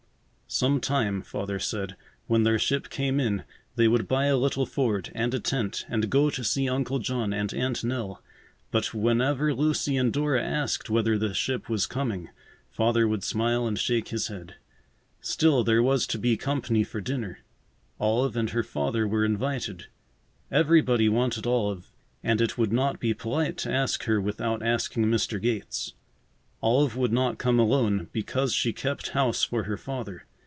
Some time, Father said, when their ship came in, they would buy a little Ford, and a tent, and go to see Uncle John and Aunt Nell. But whenever Lucy and Dora asked whether the ship was coming, Father would smile and shake his head. Still, there was to be company for dinner. Olive and her father were invited. Everybody wanted Olive, and it would not be polite to ask her without asking Mr. Gates. Olive would not come alone, because she kept house for her father.